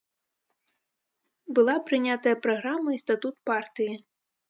Была прынятая праграма і статут партыі.